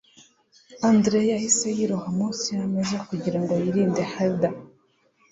Andrea yahise yiroha munsi yameza kugirango yirinde Heather